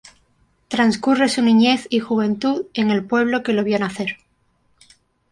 Transcurre su niñez y juventud en el pueblo que lo vio nacer.